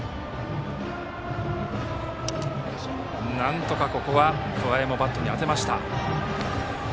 なんとか桑江もここはバットに当てました。